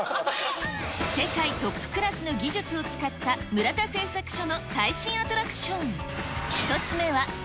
世界トップクラスの技術を使った村田製作所の最新アトラクション。